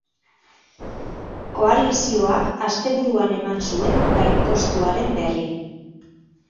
Koalizioak asteburuan eman zuen gainkostuaren berri.